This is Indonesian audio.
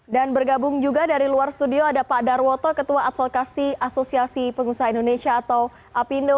dan bergabung juga dari luar studio ada pak darwoto ketua advokasi asosiasi pengusaha indonesia atau apindo